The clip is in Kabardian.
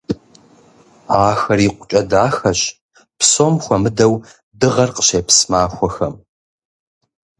Ахэр икъукӀэ дахэщ, псом хуэмыдэу дыгъэр къыщепс махуэхэм.